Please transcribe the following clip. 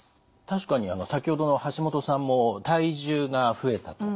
確かに先ほどのハシモトさんも体重が増えたと。